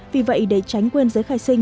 vì vậy để tránh quên giới khai sinh